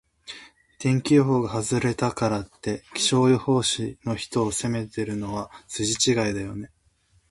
天気予報が外れたからって、気象予報士の人を責めるのは筋違いだよね。